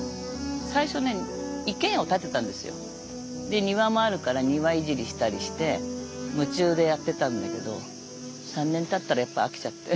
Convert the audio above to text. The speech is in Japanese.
で庭もあるから庭いじりしたりして夢中でやってたんだけど３年たったらやっぱ飽きちゃって。